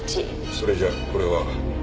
それじゃこれは。